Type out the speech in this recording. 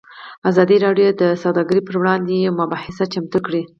ازادي راډیو د سوداګري پر وړاندې یوه مباحثه چمتو کړې.